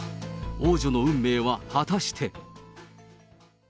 王女の運命は果たして。